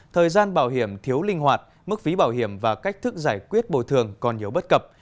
thời gian bảo hiểm thiếu linh hoạt mức phí bảo hiểm và cách thức giải quyết bồi thường còn nhiều bất cập